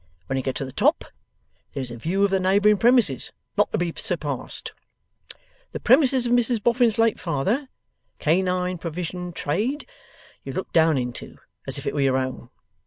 When you get to the top, there's a view of the neighbouring premises, not to be surpassed. The premises of Mrs Boffin's late father (Canine Provision Trade), you look down into, as if they was your own.